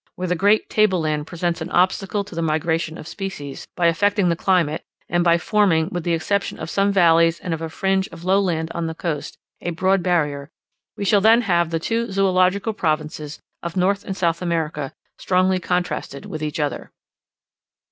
where the great table land presents an obstacle to the migration of species, by affecting the climate, and by forming, with the exception of some valleys and of a fringe of low land on the coast, a broad barrier; we shall then have the two zoological provinces of North and South America strongly contrasted with each other.